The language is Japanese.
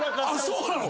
そうなの？